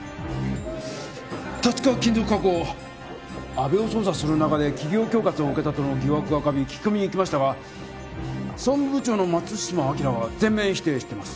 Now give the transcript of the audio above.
阿部を捜査する中で企業恐喝を受けたとの疑惑が浮かび聞き込みに行きましたが総務部長の松島明は全面否定しています。